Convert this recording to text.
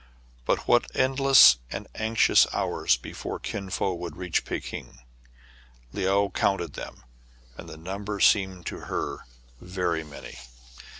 But what endless and anxious hours before Kin Fo would reach Pekin ! Le ou counted them, and the number seemed to her very many. FOUR CITIES IN ONE.